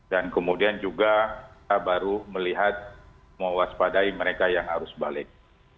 dan kemudian juga kita baru melihat menguas padai mereka yang arus balik